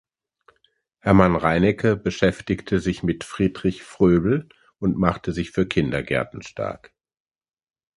Hermann Reinecke beschäftigte sich mit Friedrich Fröbel und machte sich für Kindergärten stark.